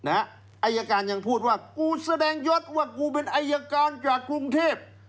อายการยังพูดว่ากูแสดงยศว่ากูเป็นอายการจากกรุงเทพ